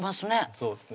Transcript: そうですね